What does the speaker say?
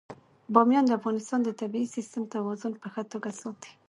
بامیان د افغانستان د طبعي سیسټم توازن په ښه توګه ساتي.